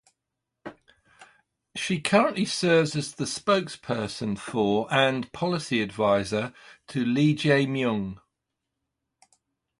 She currently serves as the Spokesperson for and Policy Advisor to Lee Jae Myung.